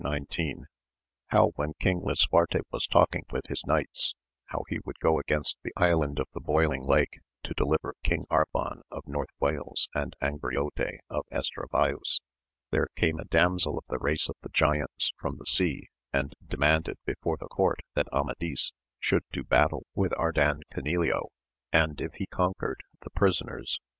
XIX% — ^How when King liisuarte was talking with his knights how he would go against the Island of the Boiling Lake, to deliver King Arban of North Wales and Angriote of EstravauB, there came a damsel of the race of the giants from the sea, and demanded before the court that Amadis should do balrtle with Ardan Canileo, and if he conquered the prisoners VOL. n. 6 82 AMADIS OF GAUL.